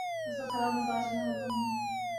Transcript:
اکثر خراب مزاج میں ہوتا ہوں